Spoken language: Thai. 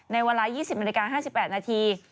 ในเวลา๒๐นาฬิกา๕๘นาที